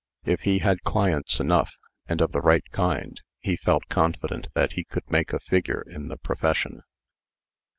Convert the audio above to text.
If he had clients enough, and of the right kind, he felt confident that he could make a figure in the profession.